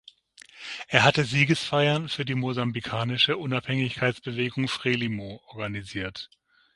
Er hatte Siegesfeiern für die mosambikanische Unabhängigkeitsbewegung Frelimo organisiert.